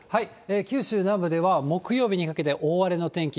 九州南部では木曜日にかけて大荒れの天気。